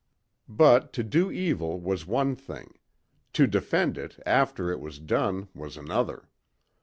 But to do evil was one thing. To defend it after it was done was another.